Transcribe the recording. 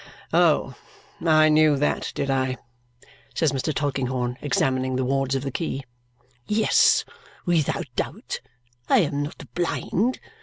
"Oh! I knew that, did I?" says Mr. Tulkinghorn, examining the wards of the key. "Yes, without doubt. I am not blind.